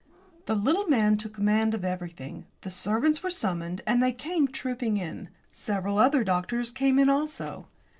The little man took command of everything. The servants were summoned and they came trooping in. Several other doctors came in also.